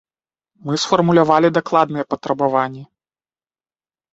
Мы сфармулявалі дакладныя патрабаванні.